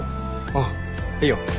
あっいいよ。